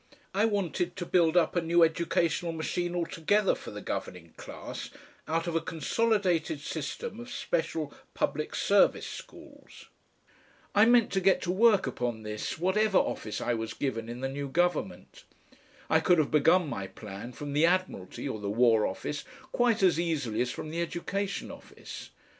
I wanted to build up a new educational machine altogether for the governing class out of a consolidated system of special public service schools. I meant to get to work upon this whatever office I was given in the new government. I could have begun my plan from the Admiralty or the War Office quite as easily as from the Education Office.